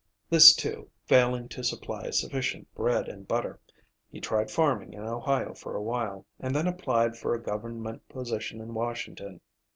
This, too, failing to supply sufficient bread and butter, he tried farming in Ohio for a while, and then applied for a government position in Washington.